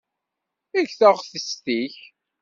Eg taɣtest-ik.